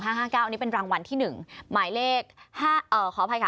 อันนี้เป็นรางวัลที่๑หมายเลขขออภัยค่ะ